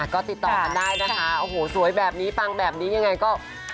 ก็ติดต่อกันได้นะคะโอ้โหสวยแบบนี้ปังแบบนี้ยังไงก็